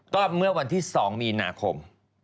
ก็เมื่อวันที่๒มีนาคม